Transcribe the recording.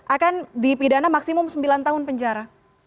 akan dipidana maksimum sembilan tahun penjara